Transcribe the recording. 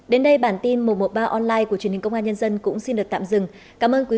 đến đây bản tin một trăm một mươi ba online của truyền hình công an nhân dân cũng xin được tạm dừng cảm ơn quý vị